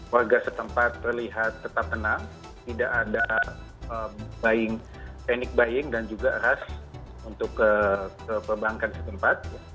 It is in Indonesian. warga setempat terlihat tetap tenang tidak ada panic buying dan juga ras untuk ke perbankan setempat